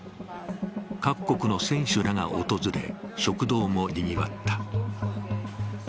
各国の選手らが訪れ食堂もにぎわった。